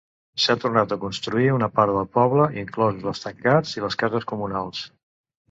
S'ha tornat a construir una part del poble, inclosos els tancats i les cases comunals.